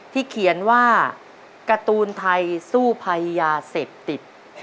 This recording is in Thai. ที่เขียนว่าการ์ตูนไทซู่ภายญาเสตติด